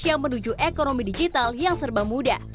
sehingga indonesia menuju ekonomi digital yang serba mudah